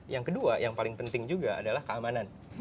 yang kedua yang paling penting juga adalah keamanan